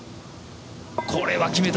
これは決めた。